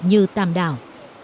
như tàm đảo